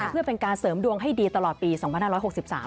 เพื่อเป็นการเสริมดวงให้ดีตลอดปี๒๕๖๓